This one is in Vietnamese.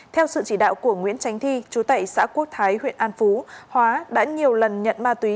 theo sự chỉ đạo của nguyễn tránh thi chú tệ xã quốc thái huyện an phú hóa đã nhiều lần nhận ma túy